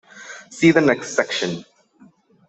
See the next section.